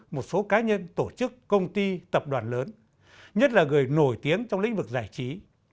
một số cá nhân tổ chức công ty tập đoàn lớn nhất là người nổi tiếng trong lĩnh vực giải trí